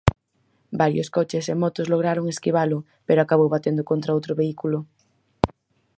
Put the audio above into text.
Varios coches e motos lograron esquivalo, pero acabou batendo contra outro vehículo.